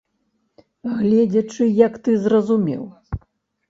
Гледзячы як ты зразумеў.